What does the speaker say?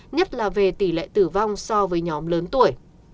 nhất là về tỷ lệ tử vong so với nhóm lớn tuổi